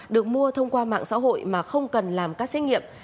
được mua thông qua mạng xã hội mà không cần làm các xét nghiệm